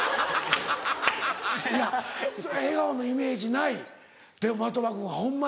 いや笑顔のイメージないでも的場君はホンマに。